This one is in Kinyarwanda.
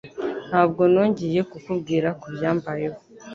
Ntabwo nongeye kukubwira kubya mbayeho.